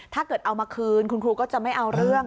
ถ้าเกิดเอามาคืนคุณครูก็จะไม่เอาเรื่อง